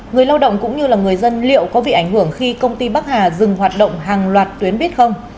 người lao động cũng như là người dân liệu có bị ảnh hưởng khi công ty bắc hà dừng hoạt động hàng loạt tuyến buýt không